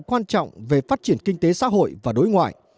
quan trọng về phát triển kinh tế xã hội và đối ngoại